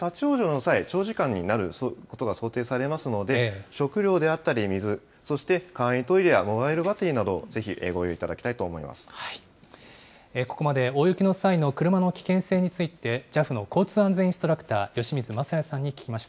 そして立往生の際、長時間になることが想定されますので、食料であったり、水、そして簡易トイレやモバイルバッテリーなど、ぜひここまで大雪の際の車の危険性について、ＪＡＦの交通安全インストラクター、由水雅也さんに聞きました。